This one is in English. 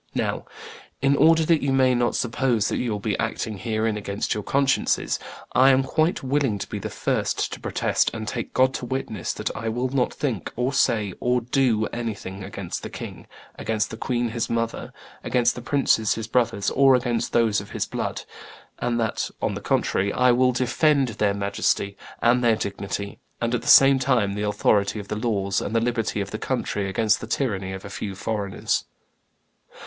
Now, in order that you may not suppose that you will be acting herein against your consciences, I am quite willing to be the first to protest and take God to witness that I will not think, or say, or do anything against the king, against the queen his mother, against the princes his brothers, or against those of his blood; and that, on the contrary, I will defend their majesty and their dignity, and, at the same time, the authority of the laws and the liberty of the country against the tyranny of a few foreigners.